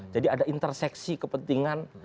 jadi ada interseksi kepentingan